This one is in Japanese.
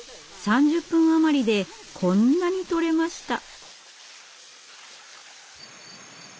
３０分余りでこんなに取れました。